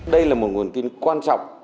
đây là một nguồn tin quan trọng